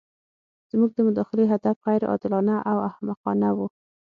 زموږ د مداخلې هدف غیر عادلانه او احمقانه وو.